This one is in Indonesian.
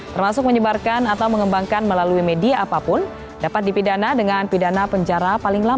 termasuk menyebarkan atau mengembangkan melalui media apapun dapat dipidana dengan pidana penjara paling lama